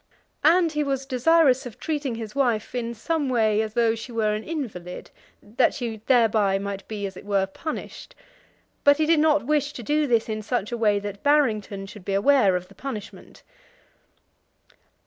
And he was desirous of treating his wife in some way as though she were an invalid, that she thereby might be, as it were, punished; but he did not wish to do this in such a way that Barrington should be aware of the punishment.